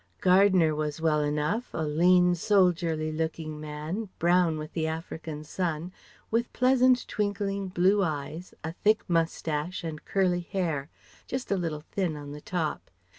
Gardner was well enough, a lean soldierly looking man, brown with the African sun, with pleasant twinkling blue eyes, a thick moustache and curly hair, just a little thin on the top.